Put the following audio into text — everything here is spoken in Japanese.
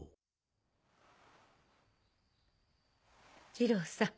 二郎さん